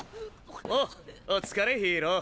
おうお疲れヒーロー。